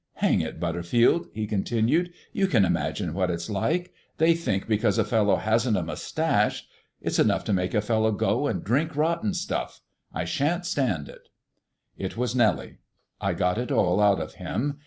Hang it, Butterfield," he continued, "you can imagine what it's like they think because a fellow hasn't a moustache it's enough to make a fellow go and drink rotten stuff. I shan't stand it." It was Nellie. I got it all out of him.